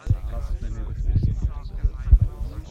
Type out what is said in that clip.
Was für eine Überspitzung!